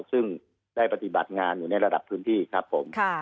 ซึ่งได้ปฏิบัติงานอยู่ในระดับพื้นที่ครับผม